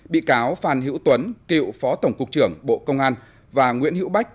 bị cáo phan hữu tuấn cựu phó tổng cục trưởng bộ công an và nguyễn hữu bách